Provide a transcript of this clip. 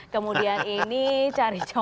kemudian ini cari cari